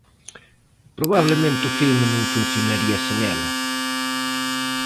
Probablemente o filme non funcionaría sen ela.